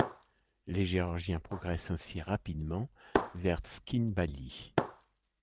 Les Géorgiens progressent ainsi rapidement vers Tskhinvali.